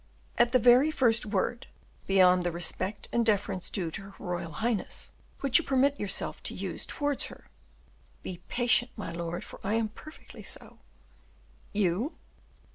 "At the very first word, beyond the respect and deference due to her royal highness, which you permit yourself to use towards her, be patient my lord, for I am perfectly so." "You?"